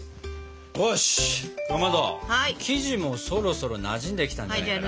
よしかまど生地もそろそろなじんできたんじゃないかな。